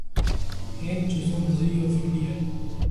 ایک جزو نظری اور فکری ہے۔